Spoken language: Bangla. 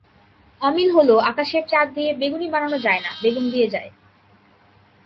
অমিল হলো আকাশের চাঁদ দিয়ে বেগুনি বানানো যায় না, বেগুন দিয়ে যায়।